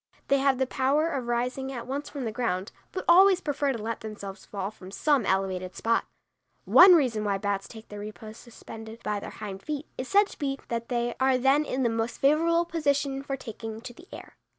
They have the power of rising at once from the ground, but always prefer to let themselves fall from some elevated spot. One reason why bats take their repose suspended by their hind feet is said to be that they are then in the most favorable position for taking to the air.